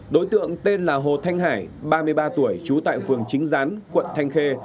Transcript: đối tượng tên là hồ thanh hải ba mươi ba tuổi trú tại phường chính gián quận thanh khê